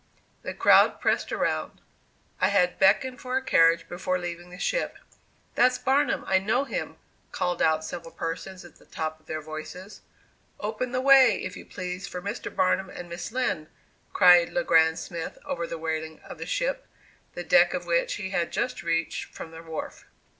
The crowd pressed around. I had beckoned for a carriage before leaving the ship. "That's Barnum, I know him," called out several persons at the top of their voices. "Open the way, if you please, for Mr. Barnum and Miss Lind!" cried Le Grand Smith over the railing of the ship, the deck of which he had just reached from the wharf.